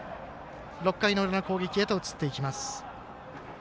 ６回の裏の攻撃へと移っていきます。